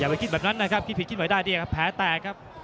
อย้าไปคิดแบบนั้นนะครับคิดผิดคิดไว้ได้ดีแผลแตกครับ